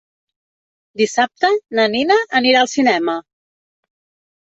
Dissabte na Nina anirà al cinema.